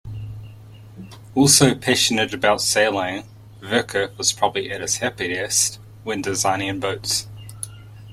Also passionate about sailing, Vereker was probably at his happiest when designing boats.